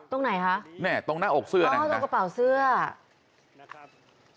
ตรงไหนคะเนี่ยตรงหน้าอกเสื้อนะเข้าตรงกระเป๋าเสื้อนะครับ